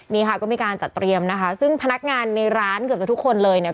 นี่ค่ะก็มีการจัดเตรียมนะคะซึ่งพนักงานในร้านเกือบจะทุกคนเลยเนี่ย